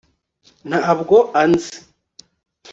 ntabwo anzi